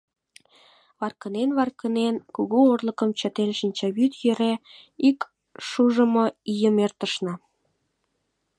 Варкынен-варкынен, кугу орлыкым чытен, шинчавӱд йӧре ик шужымо ийым эртышна.